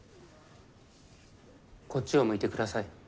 こっちを向いて下さい。